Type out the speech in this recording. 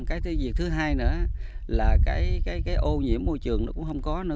cái việc thứ hai nữa là cái ô nhiễm môi trường nó cũng không có nữa